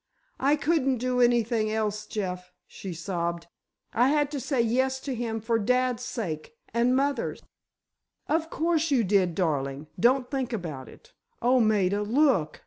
"I couldn't do anything else, Jeff," she sobbed. "I had to say yes to him for dad's sake—and mother's." "Of course you did, darling; don't think about it. Oh, Maida, look!